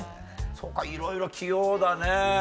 そうかいろいろ器用だね。